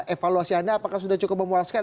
evaluasi anda apakah sudah cukup memuaskan